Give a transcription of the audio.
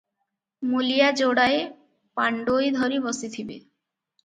ମୂଲିଆ ଯୋଡ଼ାଏ ପାଣ୍ଡୋଇ ଧରି ବସିଥିବେ ।